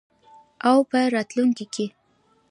او په راتلونکي کې.